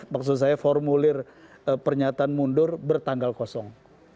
maksud saya formulir pernyataan mundur bertanggal kosong